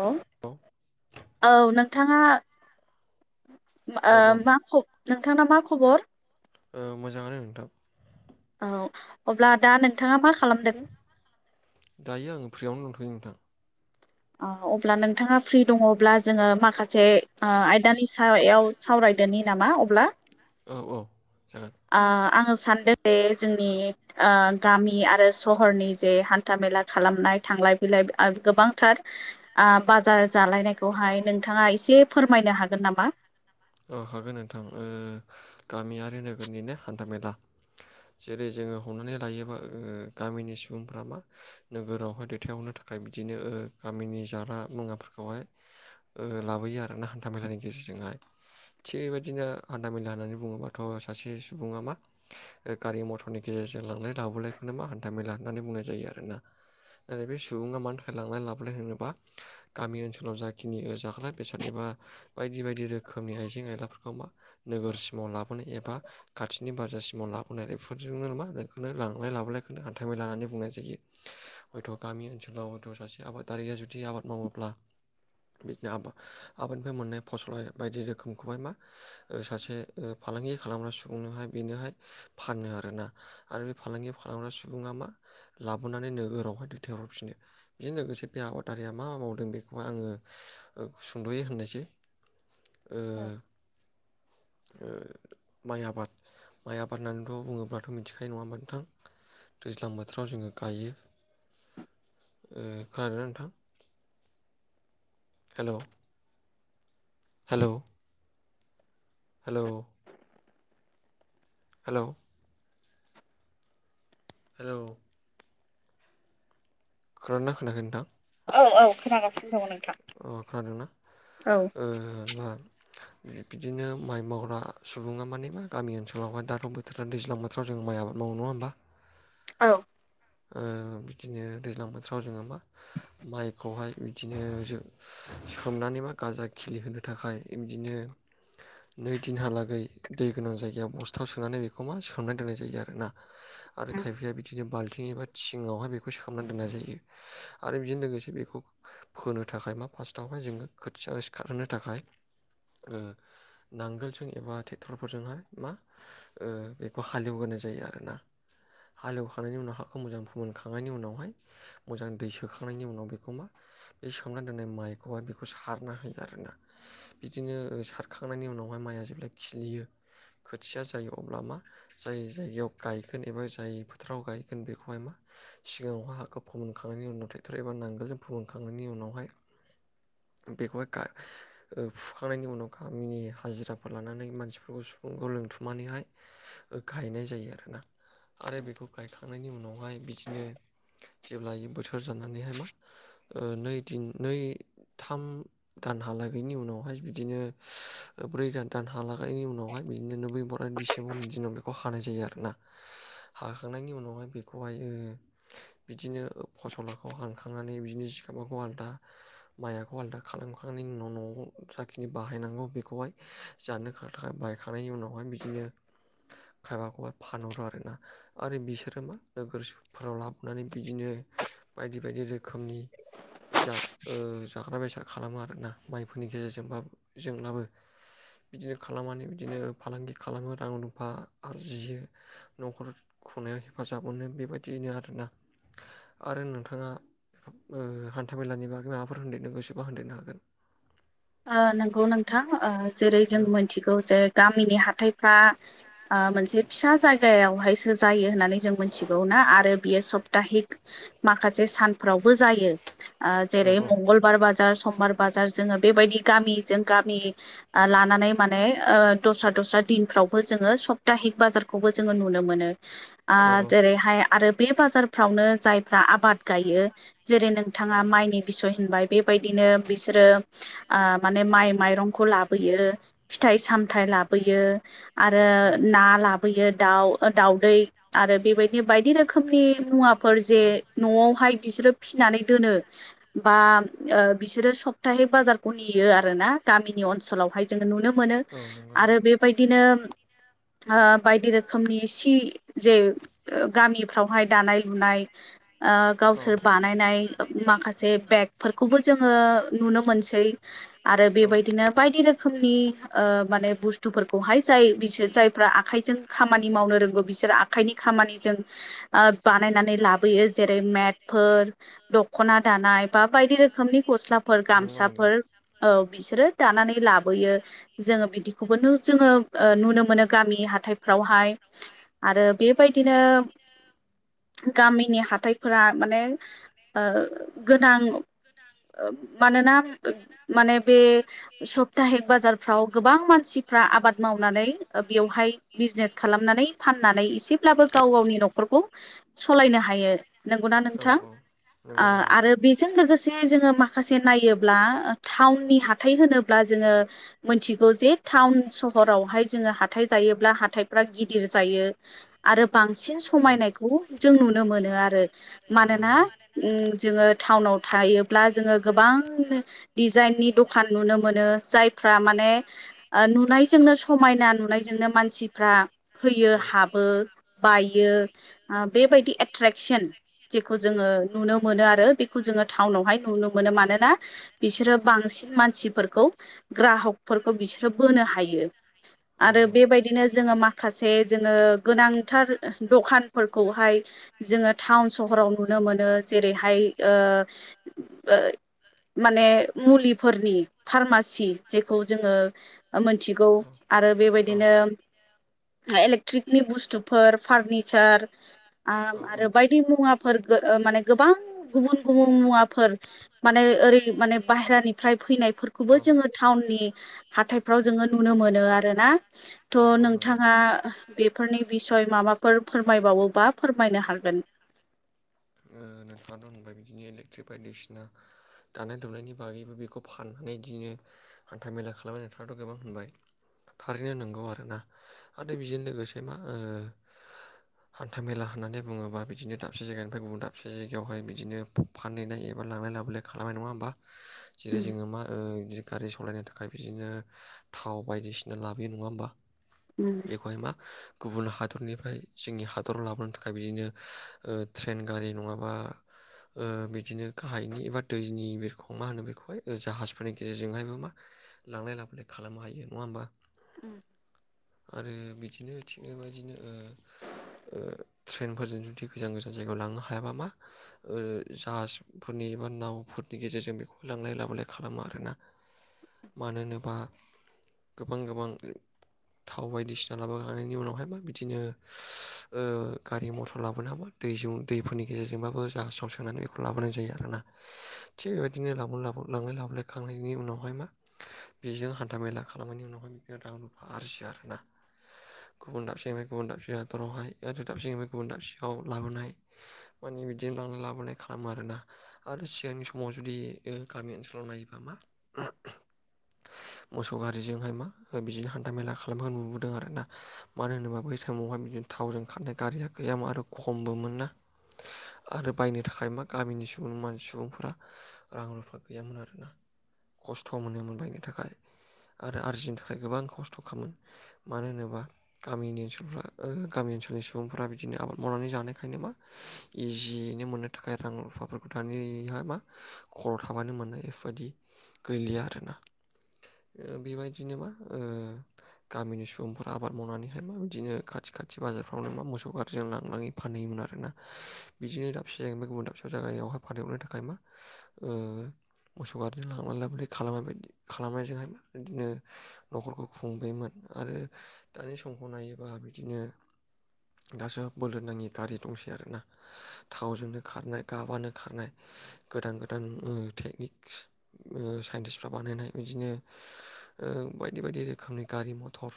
हेल औ औ नोंथाङा। औ ओह नोंथाना मा खबर? ओह मोजांङानो नोंथां। औ अब्ला दा नोंथाङा मा खालामदों? दायो आंओ फ्रियावनो दंथ'यो नोंथां। अह अब्ला नोंथाङा फ्रि दङोब्ला जोंङो माखासे ओह आयदानि सायाव सावराय दोनि नामा अब्ला। औ औ। जागोन ओ आं ओस सानदो जे जोंनि गामि आरो सहरनि जे हान्था मेला खालामनाय थां बि गोबांथार बाजार जालायनायखौहाय नोंथाङा एसे फोरमायनो हा हागोन नामा? औ हागोन नोंथां ओह गामि आरो नोगोरनिनो हान्थामेला जेरै जोंङो हमनानै लायोबा गामिनि सुबुंफ्रा मा नोगोरावहाय दैथायहरनो था बिदिनो ओ गामिनि जाग्रा मुवाफोरखौहाय ओह लाबोयो आरो ना हान्था मेलानि गेजेरजोंहाय [inaudible] बेबायदिनो हान्था मेला होननानै बुङोबाथ' सासे सुबुङा मा गारि मथरनि गेजेरजों लांलाय लाबोलायखौनो मा हान्था मेला होननानै बुंनाय जायो आरोना ओह बे सुबुङा मानो थाखाय लांलाय लाबोलाय होनोबा गामि ओनसोलाव जाखिनि जाग्रा बेसाद एबा बायदि बायदि रो रोखोमनि आइजें आयलाफोरखौ मा नोगोरसिमाव लाबोनो एबा खाथिनि बाजारसिमाव लाबोनानै नामाहोनो लांलाय लाबोलायखौनो हान्थ मेला होन्नानै बुंनाय जायो हयथ' गामि ओनसोलाव हयथ' माखासे आबादारिया जुदि आबाद मावाब्ला बिदिनो आ आबादनिफ्राय मोननाय फसल बायदि रोखोमखौहाय मा सासे फालांगि खालामग्रा सुबुंनोहाय बिनोहाय फाननो आरोना आरो बे फालांगि खालामग्रा सुबुङा मा लाबोनानै नोगोरावहाय दैथायहरफिनो बेजों लोगोसे बे आबादारिया मा मावदों बेखौ आङो सुंद'यै होननोसै ओ ओ माइ आबाद माइ आबाद होननानैथ' बुङोब्लाथ' मिथिखायो नङा होनबा नोंथां दैज्लां बोथोराव जोंङो गायो ओह खोनादोंना नोंथां hello hello hello hello hello खोनादोंना खोनायाखै नोंथां औ औ खोनागासिनो दं नोङ औ खोनादोंना ओह ना बिदिनो माइ मावग्रा सुबुङा मानेमा गामि ओनसोलावहाय दाथ' बोथोरा दैज्लां बोथोराव जों माइ आबा अह नङा होमबा औ ओह बिदिनो दैज्लां बोथोराव जोंङो मा माइखौहाय बिदिनो जो सोमनानै मा गाजा खिलिहोनो थाखाय इनदीनो नै दिनहालागै दै गोनां जायगायाव बस्थायाव सोनानै बेखौ मा सोमनानै दोननाय जायो आरोना आरो खायफाया बिदिनो बाल्ट थिं एबा थिङावहाय बेखौ सोमना दोननाय जायो आरो बेजों लोगोसे बेखौ फोनो थाखाय मा फास्स्टावहाय जोङो खोथिया सिखारहोनो थाखाय ओह नांगोलजों एबा ट्रेक्टरफोरजोंहाय मा ओह बेखौ हालेवगोन जायो आरोना हालेवखानायनि उनाव ह बेखौ मोजां फोमोनखांनायनि उनावहाय मोजां दै सोखांनायनि उनाव बेखौ मा बे सोमनानै दोननाय माइ माइखौहाय बेखौ सारना होयो आरोना बिदिनो सारखांनायनि उनावहाय माइआ जेब्ला खिलियो खोथिया जायो अब्ला मा जाय जायगायाव गायगोन एबा जाय फोथोराव गाय बेखौहाय मा सिगाङावहाय हाखौ फोमोनखांनायनि उनाव ट्रेक्ट'र एबा नांगोल जों फोमोनखांनायनि उनावहाय बेखौहाय ओ- फुखांनायनि उनाव गामिनि हाजिराफोर लानानै मानसिफोरखौ लोंथुमनानैहाय गायनाय जायो आरोना आरो बेखौ गायखां थांनायनि उनावहाय बिदिनो जेब्लाय बेयो बोथोर जानानैहाय मा ओ- नै दिन नै थाम दानहालागैनि उनावहाय बिदिनो ओ- ब्रै दान- दान हालागैनि उनावहाय बिदिनो नभेम्बर आरो डिसेम्बरनि दिनाव बेखौ हानाय जायो आरोना हाखांनायनि उनाव बेखौहाय ओ बिदिनो फसलाखौ हाखांबाय नानै बिदिनो जिखाबखौ आलदा माइखौ आलादा खालामखांनायनि उनाव न'आव जाखिनि बाहायना बेखौहाय जानो थाखाय बायखांनायनि उनावहाय बिदिनो खायबाखौबा फानहरो आरोना आरो बिसोर मा नोगोरफोराव लाबोनानै बिदिनो बायदि बायदि रोखोमनि जा ओ जाग्रा बेसाद खालामो आरोना माइफोरनि गेजेरजों जोंब्लाबो बिदिनो खालामनानै बिदिनो फालांगि खालामो रां रुफा आरजियो न'खर खुंनायाव हेफाजाब मोनो बेबायदियैनो आरोना आरो नोंथाङा ओ हान्थाामेलानि बागै माबाफोर होनन्देरनो गोसोबा होनन्देरनो हागोन। ओ नंगौ नोंथां ओ जेरै जों मिथिगौ जे गामिनि हाथायफ्रा ओ मोनसे फिसा जायगायावहायसो जायो होननानै जों मोनथिगौ ना आरो बियो सब सप्ताहिक माखासे सानफ्रावबो जायो औ जेरै ओ औ मंगलबार बाजार। समबार बाजार जोङो बेबायदि गामिजों गामि ओ लानानै माने ओ दस्रा दस्रा दिनफ्रावबो जोङो सप्ताहिक बाजारखौबो जोङो नुनो मोनो। ओ जेरैहाय आरो बे बाजारफ्रावनो जायफ्रा आबाद गायो। जेरै नोंथाङा माइनि बिसय होनबाय बेबायदिनो बिसोरो ओ माने माइ माइरंखौ लाबोयो फिथाइ सामथाइ लाबोयो। आरो औ ना लाब फैयो दाउ दाउदै आरो बेबायदि बायदि रोखोमनि मुवा फोर जे औ न'आवहाय बिसोरो फिनानै दोनो बा ओ बिसोरो सब थाहि बाजारखौ नेयो आरोना गामिनि ओन्सोलावहाय जों नुनो मोनो औ नंगौ आरो नंगौ बेबायदिनो ओ बायदि रोखोमनि सि जे ओ गामिफ्रावहाय दानाय लुनाय ओ औ गावसोर बानायनाय माखासे बेगफोरखौबो जोङो नुनो मोनसै आरो औ बेबायदिनो बायदि रोखोमनि बायदि ओ माने रोखोमनि बुस्थुफोरखौहाय जाय बिसोर जायफ्रा आखाइजों खामानि मावनो रोंगौ बिसोर आखाइनि खामानिजों ओ बानाय बानायनानै लाबोयो जेरै मेदफोर दख'ना आखाइजों दानाय बा बायदि रोखोमनि गस्लाफोर। नंगौ नंगौ गामसाफोर औ बिसोरो दानानै लाबोयो जोङो बिदिखौबो जोङो ओ नुनो मोनो गामि हाथायफ्रावहाय आरो बेबायदिनो गामिनि हाथायफोरा माने ओ गोनां ओ मान मानेना बे सप्ताहिक बाजारफ्राव गोबां मानसिफ्रा आबाद मावना नानै ओ बेवहाय बिजिनेस खालामनानै फाननानै एसेब्लाबो गाव गावनि न'खरखौ सलायनो हायो नंगौना औ नोंथां औ नंगौ ओ नंगौ आरो बेजों लोगोसे जोङो मा माखासे नायोब्ला टाउननि हाथाय होनोब्ला जोङो मिथिगौ जे टाउन स हरावहाय जोङो हाथाइ जायोब्ला हाथाइफ्रा गिदिर जायो आरो बांसिन औ समायनायखौ जों नुनो मोनो आरो मानोना उम जोङो टाउनाव बा आव थायोब्ला जोङो गोबां दिजाइननि दखान नुनो मोनो जायफ्रा माने ओ नुनायजोंनो समायना नुनायजोंनो मानसिफ्रा फैयो हाबो बायो। ओ बेबायदि एट्रेकसन जेखौ जोङो नुनो मोनो आरो बेखौ जोङो टाउनावहाय नुनो मोन मोनो मानोना बिसोरो बांसिन मानसिफोरखौ ग्राहकफोरखौ बिसोरो बोनो हायो। ओ औ आरो बेबायदिनो जोङो माखासे जोङो गोनांथार दखानफोरखौहाय जोङो टाउन सहराव नुनो मोनो जेरैहाय ओ ओ माने मुलिफोरनि फार्मासि जेखौ जोङो मोनथिगौ आरो औ बेबायदिनो इलेक्ट्रिकनि बुस्थुफोर फारनिचार आम औ औ बायदि मुवा फोरगो ओ माने गोबां गुबुन गुबुन मुवाफोर माने ओरै माने बाहेरानिफ्राय फैनाय फोरखौबो जोङो टाउननि हाथायफ्राव जोङो नुनो मोनो आरोना थ' औ नंगौ नोंथाङा आ बेफोरनि बिसय माबाफोर फोरमायबावोबा फोरमायनो हागोन। नोंथाङा दंबाय बिदिनो इलेक्ट्रिक बायदिसिना दानाय लुनायनि बागैबो बेखौ फाननानै बिदिनो हान्था मेला खालाम नाथाथ' गोबां मोनबाय थारैनो नंगौ आरोना आरो बेजों लोगोसे मा हान्था-मेला होननानै बुङोबा बिदिनो दाबसे जायगानिफ्राय गुबुन दाबसे जायगायावहाय बिदिनो फानहैनाय एबा लांलाय लाबोलाय खालामनाय नङा होमबा जेरै उम जोङो मा ओ बिदि गारि सलायनो थाखाय बिदिनो थाव बायदिसिना लाबोयो नङा होमबा बेखौहाय मा गुबुन हादरनिफ्राय जोंनि हादराव लाबोनो था खाय बिदिनो ओ ट्रेन गारि नङाबा ओ बिदिनो गाहायनि एबा दैनि बेरखौ मा होनो बेखौहाय जाहाजफोरनि गेजेरजोंहायबो मा लांलाय लाबोलाय खालामनो हायो नङा होमबा उम आरो बिदिनो थिग बेबायदिनो ओ ट्रेनफोरजों जुदि गोजान गोजान जायगायाव लांनो हायाबा मा ओ जाहाजफोरनि एबा नाव नि गेजेरजों बेखौ लांलाय लाबोलाय खालामो आरोना मानो होनोबा गोबां गोबां थाव बायदिसिना लाबोखांनायनि उनावहाय बा बिदिनो ओ गारि मथर लाबोनोबा दै दैफोरनि गेजेरजोंबाबो जाहास्राव सोनानै बेखौ लाबोनाय जायो आरोना थिग बेबायदिनो ला लांलाय लाबोलाय खांनायनि उनावहाय मा बेजों हान्थामेला खालामनायनि उनाव रां रुफा आरजियो आरोना गुबुन दाबसेनिफ्राय गुबुन दाबसें हादरावहाय दाबसेफ्राय गुबुन दाबसेखाव लाबोनाय माने बिदिनो लांलाय लाबोनाय खालामो आरोना आरो सिगांनि समाव जुदि गामि ओनसोलाव नायोबा मा [inaudible] मोसौ गारिजोंहाय मा बिदिनो हान्था मेला खालामखौ नुबोदों आरोना मानो होनोबा बै टाइमवावहाय बिदिनो थावजों खारनाय गारिया गैयामोन आरो खमबो मोन ना आरो बायनो थाखाय मा गामिनि सुबुं मान सुबुंफोरा रां रुफा गैयामोन आरोना खस्थ' मोनोमोन बेनि थाखाय आरो आरजिनो थाखाय गोबां खस्थ' खामोन मानो होनोबा गामिनि ओनसोलफ्रा गामि ओनसोलनि सुबुंफोरा बिदिनो आबाद मावनानै जानायखायनो मा इजियैनो मोननो थाखाय रां रुफाफोरखौ दानि मा खर' थाबानो मोनो बेफोरबायदि गैलिया आरोना बेबायदिनो मा ओ गामिनि सुबुंफोरा आबाद मावनानैहाय मा बिदिनो खाथि खा खाथि बाजाराव फ्रावनो मोसौ गारजों लांनानै फानैयोमोन आरोना बिदिनो दाबसे जाया गुबुन दाबसे जायगायावहा फानोमोन नो थाखाय मा ओ मोसौ गारिजों लांलाय लाबोलाय खालामनाय बायदि खालामनायजोंहाय बिदिनो न'खरखौ खुंबोयोमोन आरो दानि समखौ नायोबा बिदिनो [inaudible] दासो बोलो नाङि गारि दंसै आरोना थावजोंनो खारनाय गाबानो खारनाय गोदान गोदान टेकनिक्स साइन्टिसफ्रा बानायनाय बिदिनो बायदि बायदि रोखोमनि गारि-मथर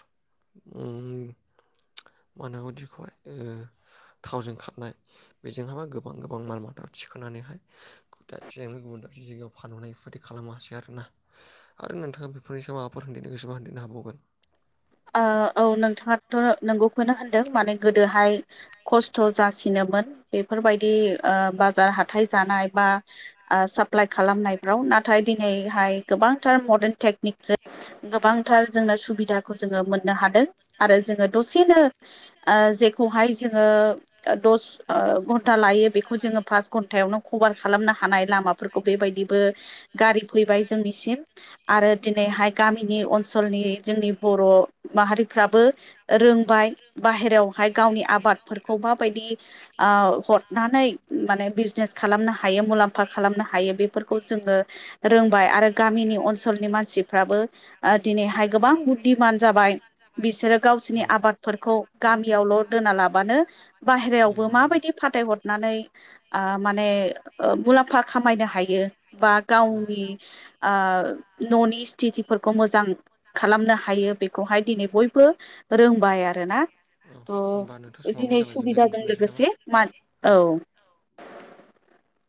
मा होनोदिखौहाय ओ थावजों खारनाय बेजोंहाबा गोबां गोबां माल माथा थिखांनानै दाबायावनो गुबुन दाबसे जायगायाव फानहनाय बेफोरबायदि खालामासै आरोना आरो नोंथां बेफोरनि स माबाफोर उन्दैनो गोसोबा हन्दैनो हाबावगोन [inaudible] ओ औ नोंथाङाथ' नोंगौखौनो होनदों माने गोदोहाय खस्थ' जासिनो मोन बेफोरबायदि ओ बाजार हाथाय जानाय बा ओ साप्लाय खालामनायफ्राव। नाथाय दिनैहाय गोबांथार मदार्न टेकनिकजों गोबांथार जोंनो सुबिदा जोङो मोननो हादों। आरो जोङो दसेनो ओ जे खौहाय जोङो ओ दस ओ घन्टा लायो बेखौ जोङो फास घन्टायावनो कभार खालामनो हानाय लामाफोरखौ बेबायदिबो गारि फैबाय जोंनि आरो दिनैहाय गामिनि ओनसोलनि जोंनि ब बर' माहारिफ्राबो रोंबाय बाहेरायावहाय गावनि आबादफोरखौ माबायदि औ हथ नानै माने बिजनेस खालामनो हायो मुलाम्फा खालामनो हायो बेफोरखौ जोङो रोंबाय आरो गामि नि जोंनि अनसोलनि मानसिफ्राबो ओ दिनैहाय गोबां बुद्धिमान जाबाय बिसोरो गावसोरनि औ आबादफोरखौ गामियावल' दोना लाबानो बाहेरायावबो नंगौ नंगौ माबायदि फाथाय हथना नै ओ माने ओ मुलाम्फा खामायनो हायो बा औ गावनि आ न'नि स्थिथिफोरखौ मोजां खालामनो हायो बेखौहाय दिनै बयबो रोंबाय आरोना। औ होनबा नोंथां थ' समाबो दिनै जाबाय जोंनिया सुबिदाजों दोनथ'नायसै नामा लोगोसे मा औ।